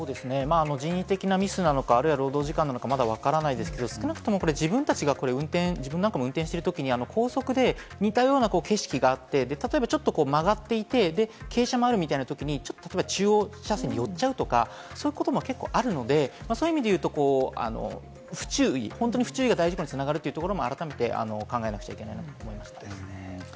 人為的なミスなのか、労働時間かわからないですけれど、少なくとも自分たちが運転しているときに、高速で似たような景色があって例えばちょっと曲がっていて、傾斜もあるみたいなときに中央車線に寄っちゃうとか、そういうこともあるので、そういう意味で言うと不注意が大事故に繋がるというところも改めて考えなくちゃいけないなと思いました。